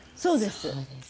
そうです。